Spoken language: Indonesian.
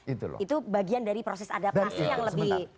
itu bagian dari proses adaptasi yang lebih